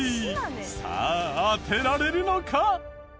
さあ当てられるのか？